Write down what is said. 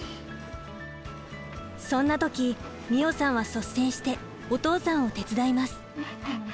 そんな時美桜さんは率先してお父さんを手伝います。